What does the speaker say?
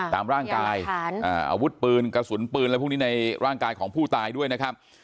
ตามร่างกายอาวุธปืนกระสุนปืนอะไรพวกนี้ในร่างกายของผู้ตายด้วยนะครับ